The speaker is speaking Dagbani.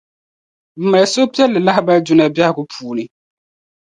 Bɛ mali suhupiεlli lahibali Dunia bɛhigu puuni.